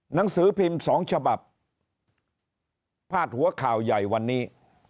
หนังสือพิมพ์สองฉบับพาดหัวข่าวใหญ่วันนี้